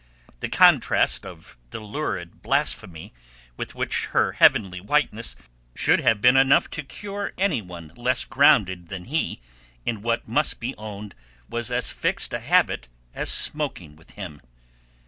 The contrast of the lurid blasphemy with her heavenly whiteness should have been enough to cure any one less grounded than he in what must be owned was as fixed a habit as smoking with him.